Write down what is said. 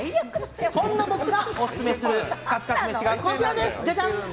そんな僕がオススメするカツカツ飯がこちらです。